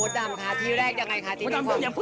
มฎดำค่ะที่แรกนี่มันเปลี่ยนกว่าเพียงไง